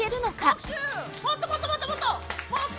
もっともっともっともっと！